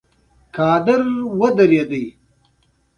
د زاویه افغانیه په نامه د افغان پیر خانقاه ده.